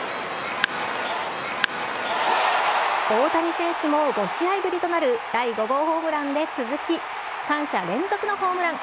大谷選手も５試合ぶりとなる第５号ホームランで続き、３者連続のホームラン。